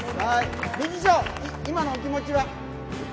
理事長、今のお気持ちは？